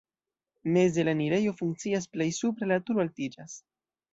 Meze la enirejo funkcias, plej supre la turo altiĝas.